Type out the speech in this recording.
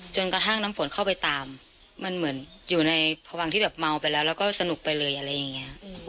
จนกระทั่งน้ำฝนเข้าไปตามมันเหมือนอยู่ในพวังที่แบบเมาไปแล้วแล้วก็สนุกไปเลยอะไรอย่างนี้